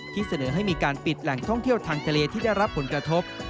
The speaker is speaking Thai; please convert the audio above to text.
เสนอให้มีการปิดแหล่งท่องเที่ยวทางทะเลที่ได้รับผลกระทบ